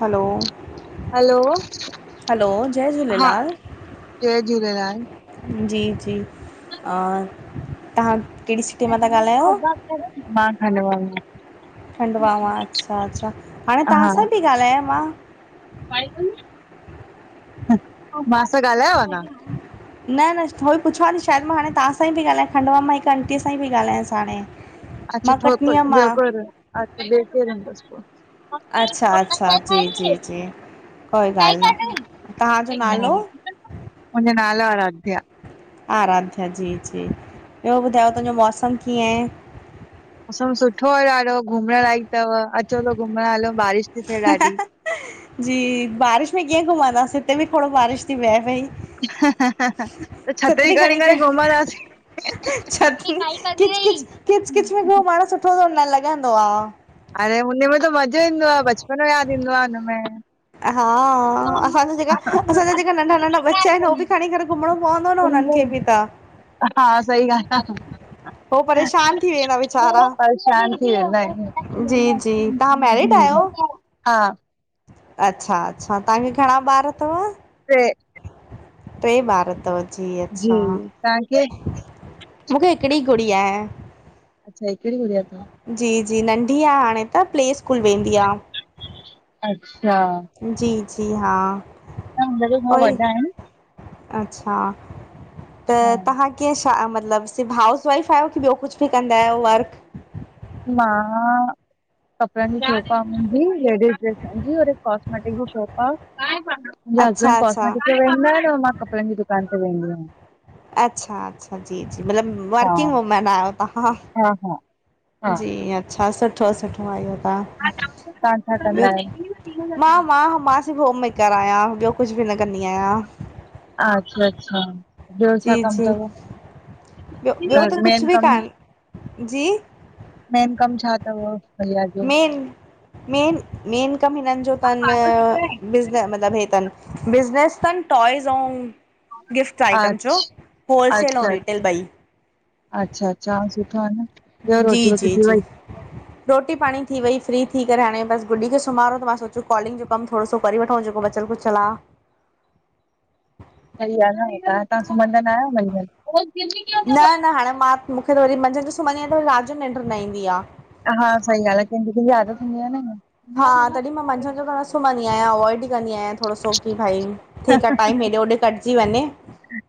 हलो, hello, hello जय हा झूलेलाल। जय झूलेलाल। जी, जी तव्हां कहिड़ी सिटी मां था ॻाल्हायो? मां खण्डवा मा। खण्डवा मा, अच्छा, अच्छा हाणे तव्हां हा, सां ति ॻाल्हायां मां। मां सां ॻाल्हाां न? न, न उवई पुछां थी शायदि मां हाणे तव्हां सां ई बि ॻाल्हायां खंडुवाम मां हिकु आंटीअ सां ई बि ॻाल्हायांसि हाणे। अच्छा मां थोक बर कटनीअ मां [unintelligible] अछा बेकेर बस अच्छा, अच्छा जी जी जी कोई ॻाल्हि न। तव्हांजो नालो? मुहिंजो नालो अराध्या। आराध्या जी जी ॿियो ॿुधायो तुंहिंजो मौसमु कीअं आहे? मौसम सुठो आहे। ॾाढो घुमण लाइक अथव अचो त घुमण हलूं बारिश थी थिए ॾाढी जी, बारिश में कीअं घुमंदासीं हिते बि थोरो बारिश थी वियोहे पई। त छतरी खणी करे घुमंदसीं। छड, किच किच, किच किच में बियो माण्हू सुठो न लॻंदो आ। अरे हुनमें त मज़ो ईंदो आ। बचपन यादि ईंदो आ हुनमें। हा हाअसांजा जेका असांजा जेका नंढा नंढा बच्चा आहिनि उ बि खणी करे घुमणो पवंदो न हुननि खे बि त हा सही ॻाल्हि हो आ। परेशान थी वेंदा वीचारा परेशान थी वेंदा। जी जी तव्हां मैरिड आहियो? हा। अच्छा, अच्छा तव्हांखे घणा ॿार अथव? टे टे ॿार तव जी, जी अच्छा। तव्हांखे? मूंखे हिकिड़ी गुड़िया आ। अच्छा, हिकडीं गुडिया तव। जी जी नंढी आ हाणे त, प्ले स्कूल वेंदी आ। अच्छा। जी जी हा। वॾा उई आहिनि [unintelligible] अच्छा त हा, तव्हां। कीअं छा, मतिलबु [unintelligible] हाउस वाइफ आहियो की ॿियो कुझु बि कंदा आहियो वर्क? मां कपड़नि जी शोप आ मुंहिंजजी, लेडिस ड्रेसऐं जी और हिक कॉस्मेटिक जी शोप आ। मुंहिंजा अच्छा हसबैंड अच्छा कॉस्मैटिक ते वेंदा आहिनि न मां कपिड़नि जी दुकान ते वेंदी आहियां। अच्छा, अच्छा जी जी मतिलबु हा वर्किंग वूमेन आहियो तव्हां। हा हा हा, जी अच्छा सठ ठ सुठो आयो तां, तव्हां छा बि्यो, कंदा आहियो? मां, मां, मां होममेकर आयां ॿियो कुझु बि न कंदी आयां। आच्छा अच्छा ॿियो छा जी कमु जी तव, ॿियो ॿियो त मेन कुझु बि कमु? कान जी मेन कमु छा तव? भैया जो? मेन, मेन, मेन कमु हिननि जो तन अ बिज़ न मतिलबु हे तन बिज़नस तन टॉईस अउं गिफ्ट अ- आइटम जो, होलसेल अच्छा ऐं अच्छा रिटेल ॿई अच्छा -अच्छा सुठो आ न, ॿियो जी रोटी वोटी जी थी जी वई रोटी पाणी थी वई फ्री थी करे, हाणे बस गुॾी खे सुम्हारो त मां सोचो कॉलिंग जो कमु थोरो सो वरी वठो जेको बचल कुुछल आ। सॾी रांद ए ॻाल्हि आ, सुम्हंद न आहियो मंझंन? न न हाणे मां मुंखे त वरी मंझंदि जो सुम्हंदी आहियां त वरी राति जो निंड न ईंदी आ। हा सही ॻाल्हि आ केंजी -केंजी आदत हूंदी आ न हा तॾहिं मां मंझंदि जो न सुम्हंदी आहियां अवॉइड ईं कंदी आहियां, थोरो सो की भई ठीकु आ टाइम हेॾे होॾे कटिजी वञे,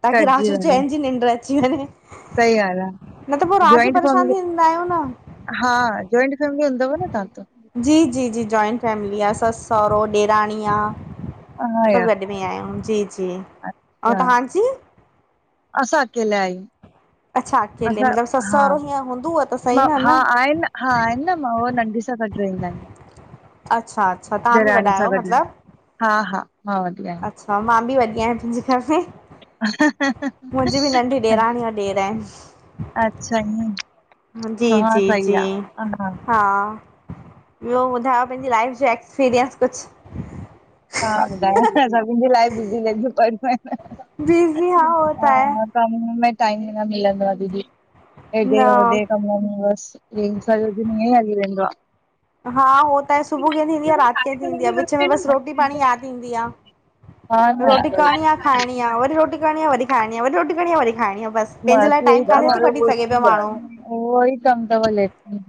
ताकी कटजी राति जो वञे चैनि जी निंड अची वञे। सही ॻाल्हि आ, न त पोइ राति जो ज्वॉइंट परेशान फ़ैमिली थींदा आहियूं न हां ज्वॉइंट फैमिली हूंदव न तां त। जी जी जी, ज्वॉइंट फैमिली आ, ससु सहुरो ॾेराणी आ, हा सभु या गॾु ब नियाम जी जी ऐं अच्छा, तव्हांजी असां अकेला हियूं। अच्छा अकेले असां मतिलबु ससु हा, सहुरो हीअं हूंदव त सही मां न न हा आहे न। हा आहिनि न मां ओ नंढी सां गॾु रहिंदा हिन। अच्छा- अच्छा तव्हां बि वॾा ॾेराणी सां आहियो गॾु, मतिलबु हा, हा मां वॾी आयां। अच्छा, मां बि वॾी हियां मुंजे घरु में मुंजी बि नंढी ॾेराणी ओर ॾेर आहिन। अच्छा, ईऐं मुं जी, जी, जी हा, ॿियो ॿुधायो पेंजी लाइफ जो एक्सपीरिएंस कुछु हा ॿुधाया न सभिन जी लाइफ़ बिज़ी लॻयूं पयूं हन जी जी हा होत आऐं कमु में टाइम इ न मिलंदो आ, दीदी हेॾे न होॾे कमु में बसि ईयं सॼो ॾिन ईयंईं हली वेंदो आ। हा वो त सुबहु कींअ थींदीं आ, राति कीअं थींदीं आ, विच में बसि रोटी पाणी यादि ईंदी आ। हा न रोटी करणी आ खाइणी आ, वरी रोटी करणी आ वरी खाइणी आ, वरी रोटी करणी आ वरी खाइणी आ बसि पंहिंजे लाइ बसि हियंई टाइम काथे थो कढी कमु सघे पियो माण्हू आ, वई कमु तव लेडिस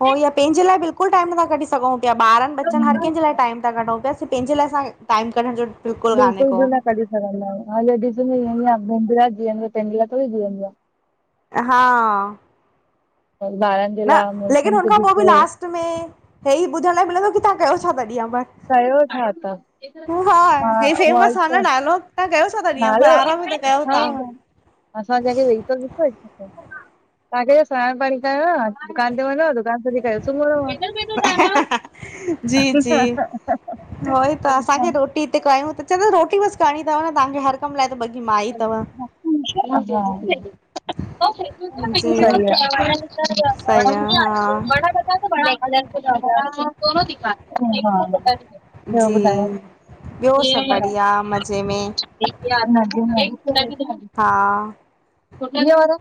कोई ये पेंजे लाए बिल्कुल टाइम नथा कढी सघऊं पिया, ॿारन- ॿचन हर केंजे लाए टाइम त कंडऊ पिया पेंजे लाइ असांखे टाइम कढ़ण जो। बिल्कुलु कान्हे बिल्कुल को बि न कढी सघनदां [unintelligible] हा ॿ ॿारनि जे न, लाइ लेकिन मुड़ुसनि खे हुनखां पो बि ॾिसो लास्ट में, हेई ॿुधण लाए मिलंदो की तां कयो छा ता ॾिंहु भर? कयो छा ता तहां, उहोइ त! तां कयोस। नालो, हा असां असां जॾी वेही त ॾिसो। तहां खे स्नान -पाणी कयो आ, दुकान ते वञंअणो आ, दुकान ते बि [unintelligible] जी जी, उहो ई त आ। असांखे रोटी हिते कययूं तो, रोटी बस करिणी तव न तहांखे, हर कम लाए त बल्कि माई तव। [unintelligible] जी [unintelligible] सही आहे हा [unintelligible] ॿियो जी ॿियो ॿुधायो? सभु बढ़िया मज़े में [unintelligible] [unintelligible] हा वारो,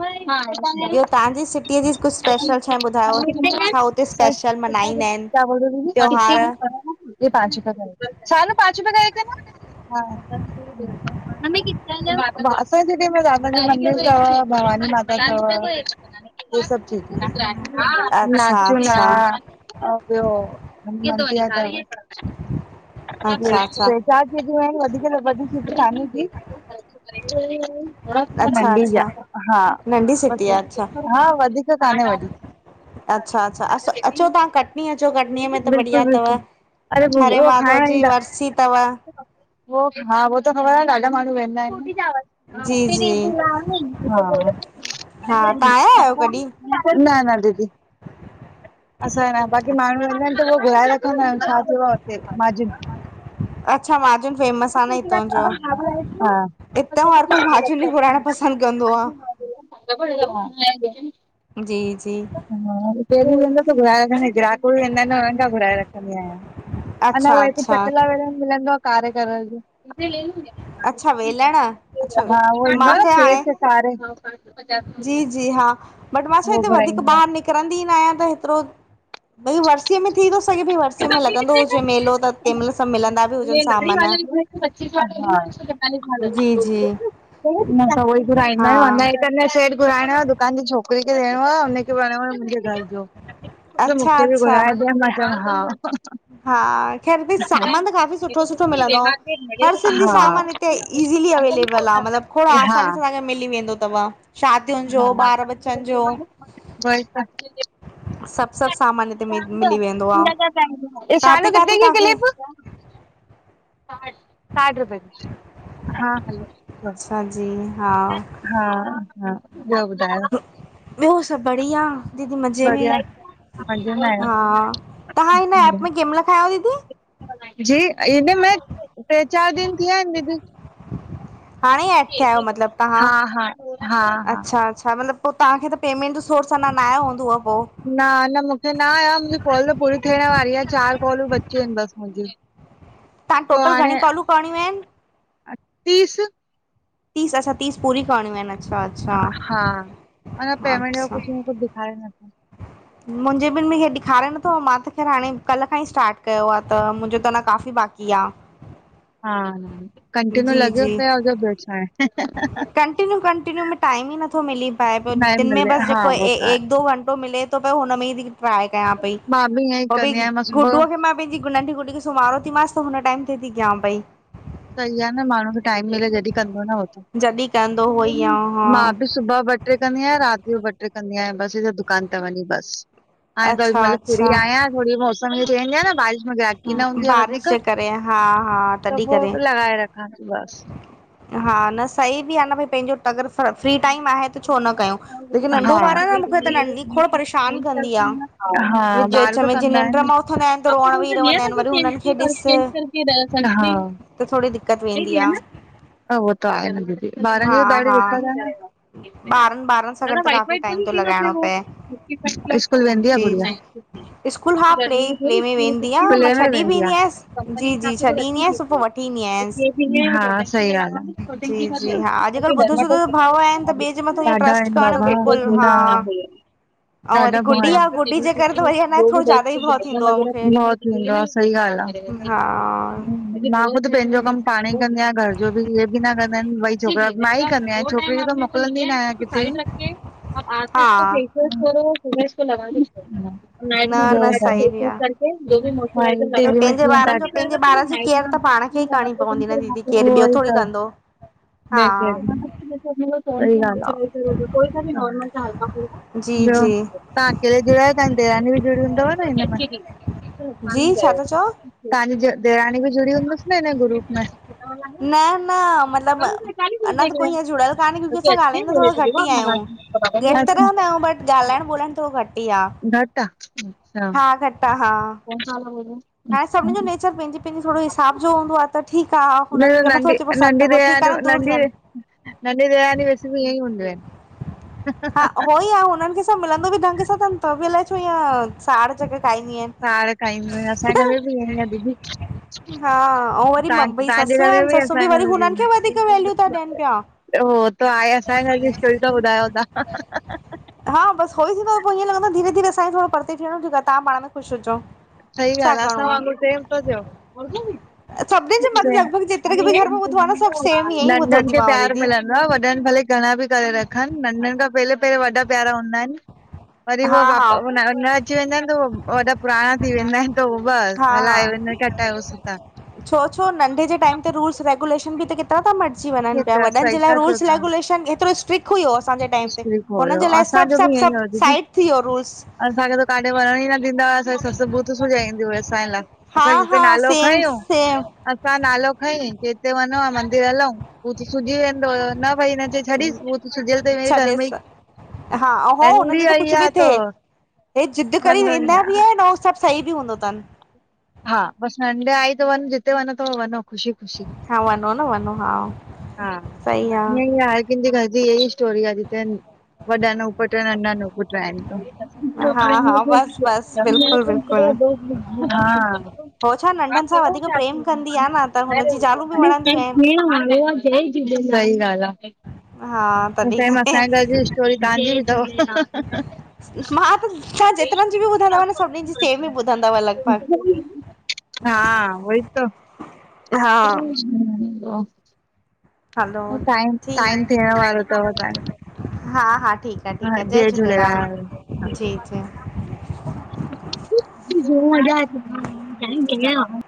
हा आहे। ॿियो तहांजी सिटीअ जी कुछु स्पेशल छा ॿुधायो छा हुते सर स्पेशल कितना मनाईंदा आइन? क्या बोल रहे हो दीदी, [unintelligible] ये पांच रुपए का एकहै, [unintelligible] पांच रुपए का एक देना। [unintelligible] मंदिर तव भवानी माता तव। एसभु चीजू [unintelligible] अच्छा नाचू ना अच्छा ह ॿियो [unintelligible] अच्छा अच्छा चार चीजूं आहिन वधीक न वॾी चीज काने की। [unintelligible] अच्छा नंढी आ अच्छा हा नंढी बस। सिटी आहे अच्छा हा वधीक काने वॾी। अच्छा -अच्छा, अस अचो तहां कटनी अचो, कटनीअ में त बिल्कुलु बढ़िया तव। बिल्कुलु अरे हरे उहो माधव जी वरसी तव। उ हा होहो त ख़बर आ आहे, ॾाढा माण्हू वेंंददा आहिन। जी जी फी हा तव्हां आया आहियो कॾहिं? [unintelligible] न न दीदी। असां न, बाक़ी माण्हू रहंदा आहिन त उहो घुराए रखंदा आहियूं छा। अच्छा माजून ी न फेमस आहे हितां जो [unintelligible] ह हा हितां हर कोई माजून घुराइण पसंद कंदो आ। [unintelligible] जी जी हदो घर र ग्राहक बि वेंदा आहिन न, हुननि खां घुराए रखंदी आहियां। अंञा अच्छा उह हिते अच्छा पटलाेल मिलंदो आ कारेगर जो। अच्छा वेलण अच्छा हा उह ईंदो मूंखे हाणे सेच खारे हिकङो। जी जी हा, बट मां छा उहो हिते वधीक घुराईंदी आहियां ॿाहिरि निकिरंदी न आहियां त हेतिरो। भई वरसीअ में थी तो सघे भई वरसीअ में लॻंदो हुजे मेलो त तंहिं महिल सभु मिलंदा बि हुजनि सामान। जी जी असां वई घुरहंदा हा आहियूं। तने शेट घुराइण [unintelligible] तांजी छोकिरी खे ॾियणो आहे हुनखे विणो आहे मुंहिंजे घर जो अच्छा मूंखे बि अच्छा घुराए ॾिय। हा हा ख़ैर बि सामान त काफ़ी हे सुठो तर सुठो तुम्ही मिलंदो हर सिंधी सामान ईज़िली अवेलेबल आहे मतिलबु थोरो आसानी सांखे मिली वेंदो अथव शादियुनि जो ॿार बचनि जो। व त सभु सभु सामान हिते मिली वेंदो आ। [unintelligible] इ शाू काथे कथे काथे क काफ़ी कलिप [unintelligible] [inaudible] साड र ब हा हलो [unintelligible] अच्छा जी, हा हा- हा, बियोॿुधायो? ॿियो सभु बढ़िया। दीदी मज़े में, बढ़िया मज़े में आहियो हा तव्हां हिन एप हम्म, में कें महिल खां आयो दीदी? जी हिन में टे चार ॾींह थी विया आहिन दीदी। हाणे ई एड थिया आहियो मतलबु तहां, हा हा हा हा अच्छा। अच्छा मतिलबु पोइ तहांखे त पेमेंट जो सोर्स अंञा न आयो हूंदो पो? न न मूंखे न आयो आ, मुंजी कॉल पूरी थियण वारी आहे, चार कॉलूं बची आहिन बस मुंजी। [inaudible] त टोटल हे घणी कॉलूं करणियूं आहिनि तीस [unintelligible] तीस असां खे तीस पूरी करणूं आहिन, अच्छा! अच्छा हा, पेमेंट जो अच्छा कुझु कुझु ॾेखारे नथो। मुंहिंजे ॿि न ॾेखारे नथो, मां त ख़ैरु हाणे कल्ह खां ई स्टार्ट कयो आ त मुंजो त अ न काफ़ी बाक़ी कया [inaudible] हा, कंटिन्यू लॻियो पियो हुजो, ॿियो छा। कंटिन्यू कंटिन्यू में टाइम ई नथो मिली पए पियो, दिन न में मिले बस हा जेको उहो त आहे एक दो वंटो मिले थो पियो हुन में ई ट्राए कयां पई, मां ईअं ई पो बि कंदी आहियां मां सुबुह गुडूअ खे मां पैंजी नंढी कुुड़ खे सुमारो थी मांस त हुन टाइम ते थी कयां पई। सही आहे न, माण्हू खे टाइम मिले जॾहिं कंदो न हो त, जॾहिं कंदो हुअई हा हा मां बि सुबुह वठ ॿ टे कंदी आहियां, रात जो ॿ टे कंदी आहियां बस दुकान ते वंञी बस। हाणे त अच्छा मतलबु फ्री अच्छा आहियां, थोङी मौसम में चेंज आहे न बारिश ग्राहकी न हूंदी आ वधीक बारिश जे करे हा हा त तॾहिं पो करे लॻाए रखांस बस। हा, न सही बि आहे न भई, पंहिंजो अगर फ्री टाइम आहे त छो न कयूं। लेकिन हा हा नंढो ॿार आ न मूंखे त नंढी खोड़ परेशान कंदी आ, विच- विच में जीअं निंड्र मां द रोअंण बि न चेंज चेंज कर र [unintelligible] त थोङी दिक्क़त थी वेंदी आ। ह उहो त आहे न दीदी, ॿार हा जी हा बि ॾाढी, ॿारनि ॿारनि सां गॾु त काफ़ी टाइम थो लॻाइणो पए [unintelligible] स्कूल वेंदी आ जी गुड़िया? [inaudible] जी स्कूल हा ल प्ले प्ले में वेंदी आहियां मां में छॾी बि वेंदी ईंदी आहे आयसि कंपनी क जी जी हिसाब सां कुु छॾी ईंदी अचछी आयसि पोइ थीतई [unintelligible] वठी ईंदी आयसि हा सही ॻाल आ। जी जी हा अॼुकल्ह ॿुधो सुधो भाव आहिनि त ॿिए जे मथां ईअं ॾाढा ट्रस्ट आइन करणु बाबा! बिल्कुलु हा ऐं वरी ॾाढा गुॾी आहे गुॾी जे करे बिस्त त वरी अञा थोरो ज्यादा ई भउ भया थींदो आहे मूंखे वग़र [unintelligible] हा सही ॻाल आ। हा मां पंहिंजो कमु पाण ई कंदीयां, घर जो बि इहे बि न कंदा आहिन ॿई छोकिरा, मां ई कंदी आहियां, छोकिरी खे त मोकिलंदी न आहियां। ारी रखे आस हा फेशियलोस ल लग [unintelligible] न न ट सही बि आहे में बे भई स पंहिंजे बि आहे [unintelligible] करिणी पवंदी न दीदी, केरु ॿियो थोङी कंदो, हा। सही ॻाल आ। जी ॿियो? जी तां अकेले जुड़ा आहियो, तांजी ॾेरानी बि जुड़ियल हूंदव न हिन में। जी छा था चओ तांजी ॾेरानी बि जुड़ी हूंदस न हिन ग्रुप में? न न मतिलब अञा त कोई हीअंर जुड़ल कान्हे क्ूंकी असां ॻाल्हाईंदा थोरो घटि ई आहियूं घेतरो अच्छा न बट ॻाल्हाइण बोल्हाइण थोरो घटि ई आहे ट आ हूं हा घटा हा कोनसा वाला बोल रहे हो? नीचे छी पंहिंजी पंहिंजो थोरो हिसाब जो हूंदो आहे त ठीकु आहे न हुननि खेगरि नथो अचे पसंदि त पोइ ठीक आहे न दूर थियनि नढी डेरानियूं वैसे बि ईअ ई हूंदियू आहिनि हा उहो ई आहे हुननि खे सभु मिलंदो बि ढंग सां अथन त बि अलाए छो इअं साड़ जॻाईंदीू आहिन सार खाईंदिययूं असांजे घर में बि ईअं ई आहे दीदी त आहिनि। हा अऊं वरी मम्मी तव्हांजे ससूं घर आहिनि बि ससूं ईंअअसांजे वरी घर हुननि में खे ॿि वधीक वैल्यू था ॾियनि पिया। ईअं [unintelligible] हो त आहे असांजे घर जी स्टोरी ता ॿुधायो था हा बसि हो ई थींदो आ पोइ ईअं लंॻदो आ धीरे धीेरे असांखे थोरो परते थियणो जे तव्हां पाण में ख़ुशिजो सही ॻाल्हि आहे असां वांगुरु सेम तो सभिनी जे थियो मत सेम लॻभॻि जेतिरे खे बि घर में ॿुधो आहे न सभु सेम ईअं ई नंढनि ॿुधो थी खे मांव प्यार दीदी मिलंद न वॾनि भले घणा बि करे रखनि नंढनि खां पहियोे पहिरियों वॾा प्यारा हूंदा आहिनि वरी उ हा वाप हा न अची वेंदा आहिनि त उ वॾा पुराणा थी वेंदा आहिनि तो बस हा हा हलायो हिनखे हटायोस हितां छो छो नंढे जे टाइम ते रूल्स रेगुलेशन बि त केतिरा था मट ची वननि पिया हेतिरा वॾन जे सही लाइ था चओ रूल्स तव्हां, रेगुलेशन एतिरो स्ट्रिक्ट खुइ हुओ असांजे टाइम इश्क ते बि हुननि खोयो, जे लाइ सभु असांजो बि सभु ईअं ई सभु हो दीदी। साइट थी वियो रूल्स असांखे त काथे वञण ई न डींदा हुआ असांखे ससु बुत सुजाईंदी हुई असांजे लाइ हा असां जिते हा नालो सेम खंयो सेम असां नालो खईं के हिते वञणो आ मंदर हलऊूं बूथ सूजी वेंदो हुयो न भई हिनजे छॾीस बूथ सूॼयल छॾेस हा होो हुननि नंढी जो त आई कुझु आ बि तो थिए हे ज़िद कर वेंदा बि आहिनि न उहो सभु सही बि हूंदो तन हा बसि नंढे आई त वञ जिते वञो त वञो ख़ुशी ख़ुशी हा वञो न वञो हा हा सही इयें आहे ही आए कंहिंजी घर जी हीअई स्टोरी आहे जिते वञ वॾा नूअ पुट आहे नंढा नूअ पुट आहिनि त हा हा बसि बसि बिल्कुलु बिल्कुलु हो [unintelligible] हा नंढनि छा सां वधीक प्रेम कंदी आ न त हुनजी ज़ालूं बि वणंदियूं आहिनि। [unintelligible] जय झूलेलाल सई गाल्ह आ हा तॾहिं सेम करे असांजे घर जी स्टोरी तव्हांजी बि अथव हं हं हं मां त तव्हां जेतिरनि जी बि ॿुधंदव न सभिनी जी सेम बि ॿुधंदव लॻभॻि हा उहोई तो हुं हा ब्यो? हलो टाइम टाइम ठीकु थियण वारो थव तव्हांयो। हा हा ठीकु आ हा ठीकु आ जय झूलेलाल ह जी जी। मजा आती [unintelligible] च क क